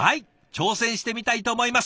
挑戦してみたいと思います。